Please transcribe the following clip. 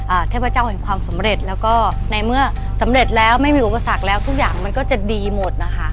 เทพเจ้าแห่งความสำเร็จแล้วก็ในเมื่อสำเร็จแล้วไม่มีอุปสรรคแล้วทุกอย่างมันก็จะดีหมดนะคะ